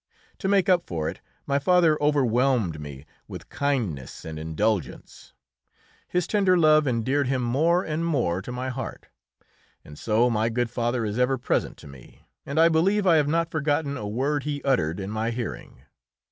To make up for it, my father overwhelmed me with kindness and indulgence. His tender love endeared him more and more to my heart; and so my good father is ever present to me, and I believe I have not forgotten a word he uttered in my hearing.